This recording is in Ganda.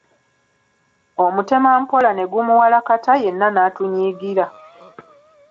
Omutemampola ne gumuwalakata yenna n'atunyiigira.